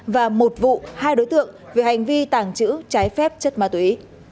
và một vụ hai đối tượng về hành vi tàng trữ trái phép chất ma túy